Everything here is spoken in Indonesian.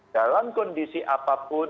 dalam kondisi apapun